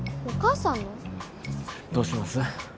どうします？